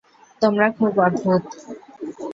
তোমরা খুব অদ্ভূত।